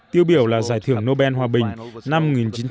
tiêu biểu là giải thưởng nobel hòa bình năm một nghìn chín trăm chín mươi ba